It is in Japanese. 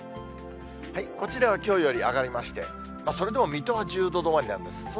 こちらはきょうより上がりまして、それでも水戸は１０度止まりなんです。